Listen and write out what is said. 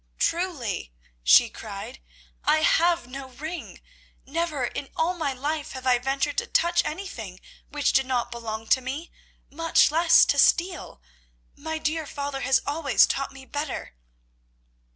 "Truly," she cried, "I have no ring. Never in all my life have I ventured to touch anything which did not belong to me, much less to steal. My dear father has always taught me better."